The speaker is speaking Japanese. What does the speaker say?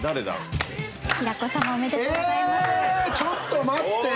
ちょっと待って！